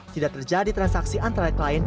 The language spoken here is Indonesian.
tidak terjadi transaksi antara klien dengan mitra